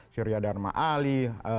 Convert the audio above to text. suria dharma ali